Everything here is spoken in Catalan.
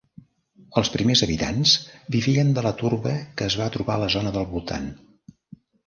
Els primers habitants vivien de la torba que es va trobar a la zona del voltant.